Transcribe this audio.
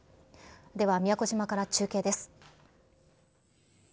では宮古島から中継です。